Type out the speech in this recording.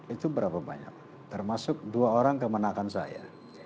itu berapa banyak termasuk dua orang kemenangkan saya